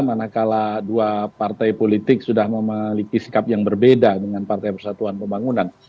manakala dua partai politik sudah memiliki sikap yang berbeda dengan partai persatuan pembangunan